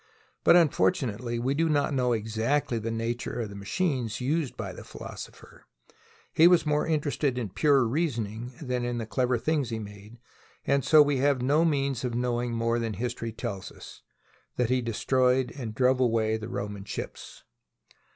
But un fortunately we do not know exactly the nature of the machines used by the philosopher. He was more interested in pure reasoning than in the clever things he made, and so we have no means of know ing more than history tells us — that he destroyed and drove away the Roman ships.